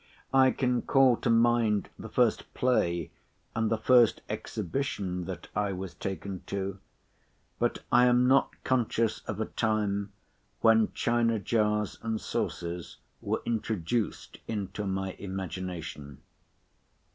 I can call to mind the first play, and the first exhibition, that I was taken to; but I am not conscious of a time when china jars and saucers were introduced into my imagination.